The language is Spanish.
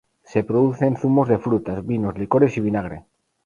Se producen zumos de frutas, vinos, licores y vinagre.